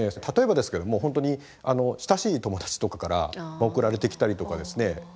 例えばですけども本当に親しい友達とかから送られてきたりとかですね